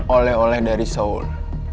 oleh oleh dari seoul